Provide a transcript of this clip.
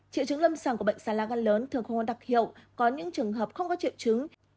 triệu chứng lâm sàng của bệnh xà lan gan lớn thường không có đặc hiệu có những trường hợp không có triệu chứng